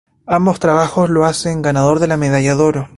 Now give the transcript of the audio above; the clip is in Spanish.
Ambos trabajos lo hacen ganador de la Medalla de Oro.